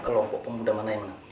kelompok pemuda mana yang menang